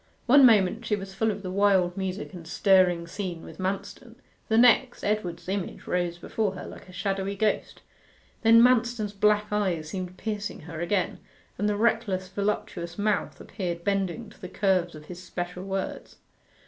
One moment she was full of the wild music and stirring scene with Manston the next, Edward's image rose before her like a shadowy ghost. Then Manston's black eyes seemed piercing her again, and the reckless voluptuous mouth appeared bending to the curves of his special words.